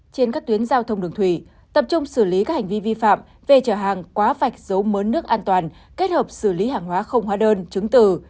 trên các tuyến giao thông đường thủy tập trung xử lý các hành vi vi phạm về chở hàng quá vạch giấu mớn nước an toàn kết hợp xử lý hàng hóa không hóa đơn chứng từ